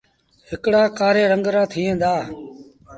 هڪڙآ ڪآري رنگ رآ ٿئيٚݩ دآ۔